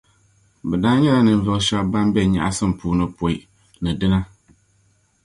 Bɛ daa nyɛla ninvuɣu shεba ban be nyεɣisim puuni pɔi ni dina.